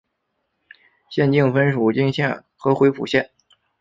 县境分属鄞县和回浦县。